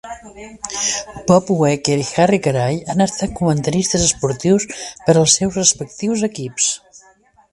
Bob Uecker i Harry Caray han estat comentaristes esportius per als seus respectius equips.